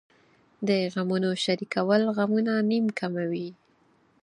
د غمونو شریکول غمونه نیم کموي .